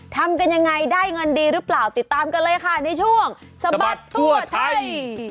ทำกันยังไงได้เงินดีหรือเปล่าติดตามกันเลยค่ะในช่วงสะบัดทั่วไทย